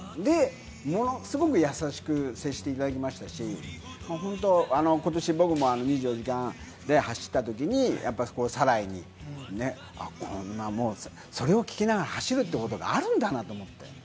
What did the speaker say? すごく優しく接していただきましたし、本当、僕もことし２４時間で走ったときに、『サライ』に、それを聴きながら走るってことがあるんだなと思って。